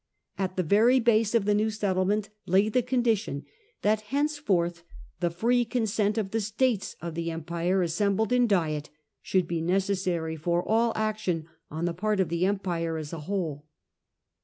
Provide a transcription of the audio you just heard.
At the very base of the new settlement lay the condition that henceforth the 4 1648. Peace of Westphalia. free consent of the States of the Empire assembled in Diet should be necessary for all action on the part of the Empire as a whole.